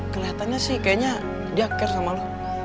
kelihatannya sih kayaknya dia care sama lo